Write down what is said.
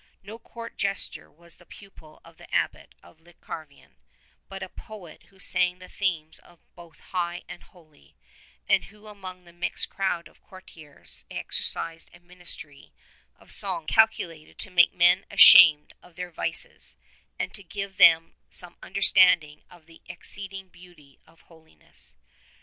No court jester was the pupil of the Abbot of Llancarvan, but a poet who sang of themes both high and holy, and who among the mixed crowd of courtiers exercised a ministry of song calculated to make men ashamed of their vices, and to give them some understanding of the exceeding beauty of holi ness.